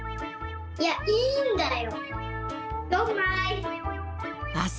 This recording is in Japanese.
いやいいんだよ！